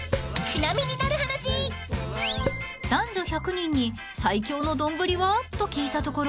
［男女１００人に「最強の丼は？」と聞いたところ］